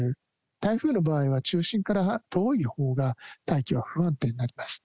台風の場合は中心から遠いほうが大気は不安定になりました。